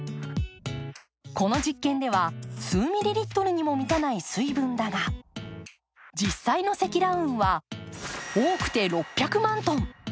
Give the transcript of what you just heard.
この実験では数ミリリットルにも満たない水分だが、実際の積乱雲は多くて６００万トン。